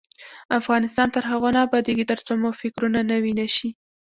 افغانستان تر هغو نه ابادیږي، ترڅو مو فکرونه نوي نشي.